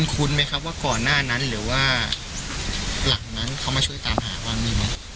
คุ้นไหมครับว่าก่อนหน้านั้นหรือว่าหลังนั้นเขามาช่วยตามหาว่ามีไหม